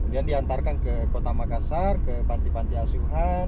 kemudian diantarkan ke kota makassar ke panti panti asuhan